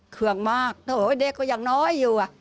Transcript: เครื่องมากโถเด็กก็ยังน้อยอยู่